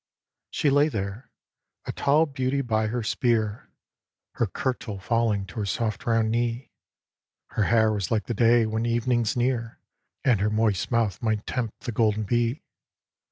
She lay there, a tall beauty by her spear, Her kirtle falling to her soft round knee. Her hair was like the day when evening's near. And her moist mouth might tempt the golden bee.